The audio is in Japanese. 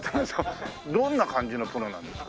どんな感じのプロなんですか？